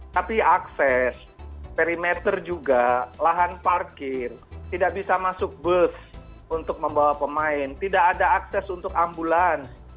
tapi akses perimeter juga lahan parkir tidak bisa masuk bus untuk membawa pemain tidak ada akses untuk ambulans